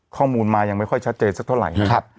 ข้อมูลมายังไม่ค่อยชัดเจนสักเท่าไหร่นะครับ